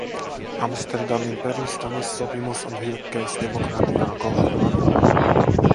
Amsterdamin perustamissopimus on hyökkäys demokratiaa kohtaan.